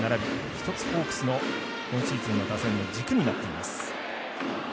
一つ、ホークスの今シーズンの打線の軸になっています。